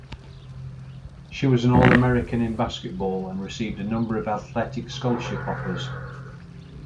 She was an All-American in basketball, and received a number of athletic scholarship offers.